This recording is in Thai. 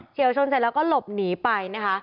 วชนเสร็จแล้วก็หลบหนีไปนะคะ